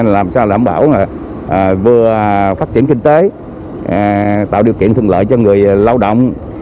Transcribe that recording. làm sao lãm bảo vừa phát triển kinh tế tạo điều kiện thương lợi cho người lao động